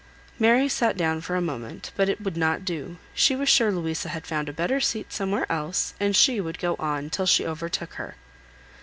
Mary sat down for a moment, but it would not do; she was sure Louisa had found a better seat somewhere else, and she would go on till she overtook her.